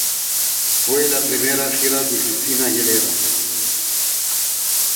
Fue la primera gira de Christina Aguilera.